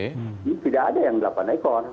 ini tidak ada yang delapan ekor